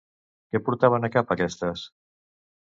Què portaven a cap aquestes?